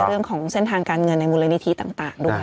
เรื่องของเส้นทางการเงินในมูลนิธิต่างด้วย